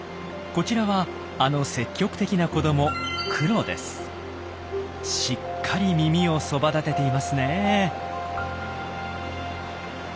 こちらはあの積極的な子どもしっかり耳をそばだてていますね。